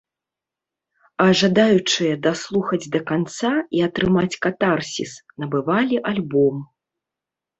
А жадаючыя даслухаць да канца і атрымаць катарсіс набывалі альбом.